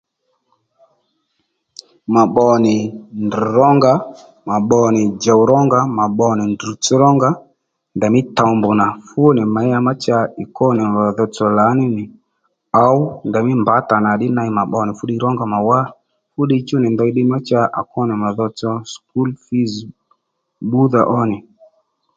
Mà pbo nì ndrr̀ rónga mà pbo nì djòw rónga, mà pbo nì ndrr̀tsś rónga ndèymí towmbù nà fúnì měyá má cha ì kwó nì mà tsotso lǎní nì ǒw ndèymí mbǎtà nà ddí ney mà pbo nì fúddiy rónga mà wá fúdiy chú nì ndey cha ddiy má à kwo nì mà tsotso sùkúl fǐz bbúdha ó nì